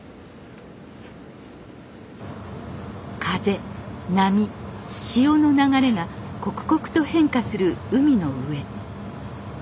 風波潮の流れが刻々と変化する海の上。